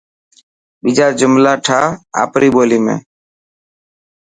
ٻيجا جملا ٺاهه آپري ٻولي ۾.